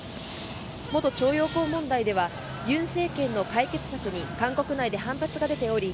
元徴用工問題では尹政権の解決策に韓国内で反発が出ており